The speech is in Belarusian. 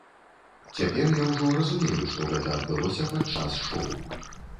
Цяпер я ўжо разумею, што гэта адбылося падчас шоў.